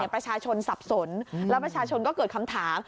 ประชาชนสับสนแล้วประชาชนก็เกิดคำถาม